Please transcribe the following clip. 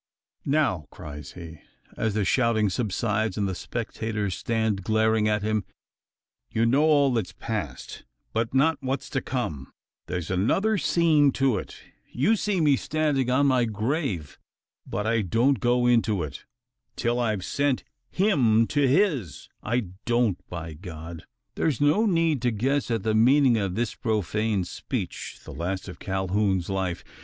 "Now!" cries he, as the shouting subsides, and the spectators stand glaring upon him, "you know all that's passed; but not what's to come. There's another scene yet. You see me standing on my grave; but I don't go into it, till I've sent him to his. I don't, by God!" There is no need to guess at the meaning of this profane speech the last of Calhoun's life.